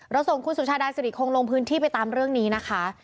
ส่งคุณสุชาดาสิริคงลงพื้นที่ไปตามเรื่องนี้นะคะ